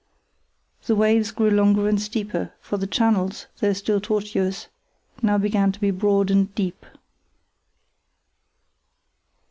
The waves grew longer and steeper, for the channels, though still tortuous, now begin to be broad and deep.